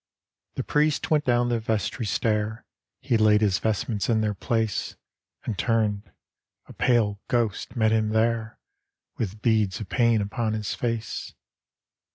The priest went down the vestry stair, He laid his vestments in their pla«, And turned — a pale ghost met him there With beads of pain upon his face.